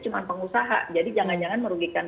cuma pengusaha jadi jangan jangan merugikan